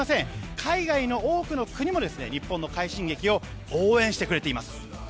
海外の多くの国も日本の快進撃を応援してくれています。